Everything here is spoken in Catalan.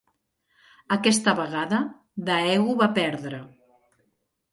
Aquesta vegada, Daegu va perdre.